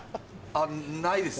ないです。